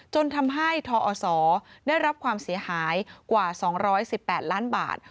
จนทำให้ทอศได้รับความเสียหายกว่า๒๑๘ล้านบาท